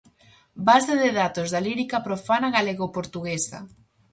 Base de datos da lírica profana galego-portuguesa.